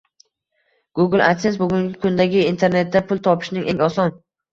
Google adsense bugungi kundagi internetda pul topishning eng oson